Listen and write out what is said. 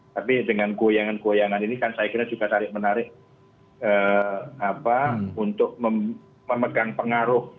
tapi dengan goyangan goyangan ini kan saya kira juga tarik menarik untuk memegang pengaruh